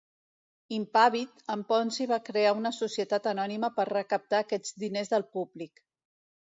Impàvid, en Ponzi va crear una societat anònima per recaptar aquests diners del públic.